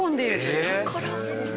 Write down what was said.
下から？